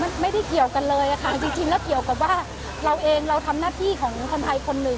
ก็เป็นกำลังใจจากราชาชนที่มาซื้อ